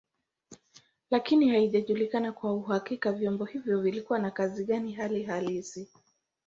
Lakini haijulikani kwa uhakika vyombo hivyo vilikuwa na kazi gani hali halisi.